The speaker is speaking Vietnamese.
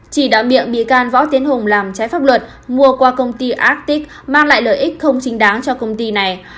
chỉ đã bị can võ tiến hùng làm trái pháp luật mua qua công ty atic mang lại lợi ích không chính đáng cho công ty này